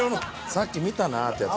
さっき見たなぁってやつ。